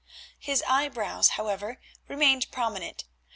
His eyebrows, however, remained prominent.